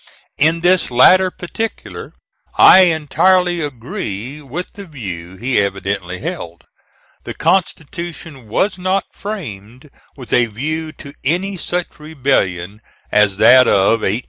In this latter particular I entirely agree with the view he evidently held. The Constitution was not framed with a view to any such rebellion as that of 1861 5.